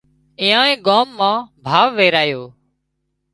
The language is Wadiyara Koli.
ايئانئي ڳام مان ڀاوَ ويرايو